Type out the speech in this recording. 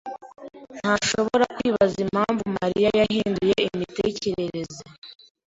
ntashobora kwibaza impamvu Mariya yahinduye imitekerereze.